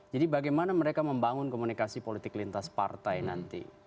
jadi bagaimana mereka membangun komunikasi politik lintas partai nanti